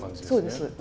そうです。